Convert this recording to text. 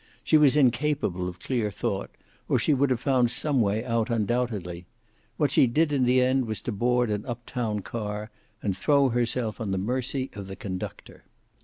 She was incapable of clear thought, or she would have found some way out, undoubtedly. What she did, in the end, was to board an up town car and throw herself on the mercy of the conductor.